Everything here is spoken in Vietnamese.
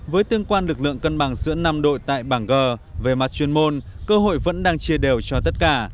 với tương quan lực lượng cân bằng giữa năm đội tại bảng g về mặt chuyên môn cơ hội vẫn đang chia đều cho tất cả